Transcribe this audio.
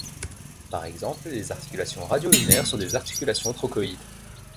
Par exemple, les articulations radio-ulnaires sont des articulations trochoïdes.